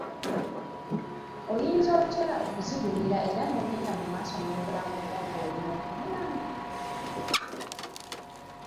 Oyinza otya okuzigumira era n'ogenda mu maaso n'obulamu bwo ng'oli muntu mulamu?